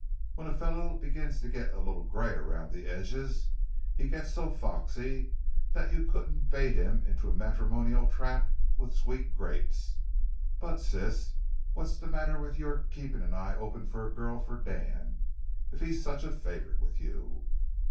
When a fellow begins to get a little gray around the edges, he gets so foxy that you couldn't bait him into a matrimonial trap with sweet grapes. But, Sis, what's the matter with your keeping an eye open for a girl for Dan, if he's such a favorite with you?